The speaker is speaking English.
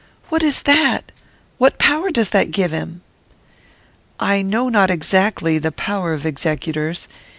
What is that? What power does that give him?" "I know not exactly the power of executors.